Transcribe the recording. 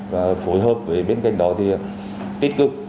và phối hợp với bên cạnh đó thì tích cực